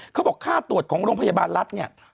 เขาบอกค่าตรวจของโรงพยาบาลรัฐเนี่ย